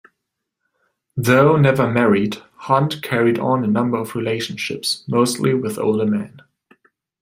Though never married, Hunt carried on a number of relationships, mostly with older men.